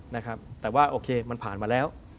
นะครับแต่ว่าโอเคมันผ่านมาแล้ว